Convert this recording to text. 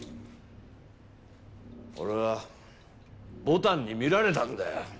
俺は牡丹に見られたんだよ。